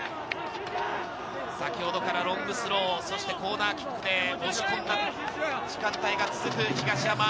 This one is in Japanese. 先ほどからロングスロー、そしてコーナーキックで押し込んだ時間帯が続く東山。